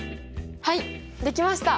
はいできました！